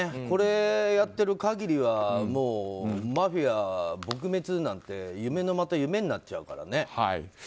これをやっている限りはマフィア撲滅なんて夢のまた夢になっちゃうからね。